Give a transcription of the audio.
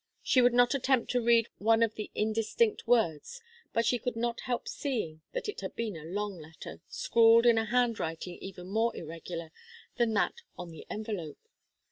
She would not attempt to read one of the indistinct words, but she could not help seeing that it had been a long letter, scrawled in a handwriting even more irregular than that on the envelope.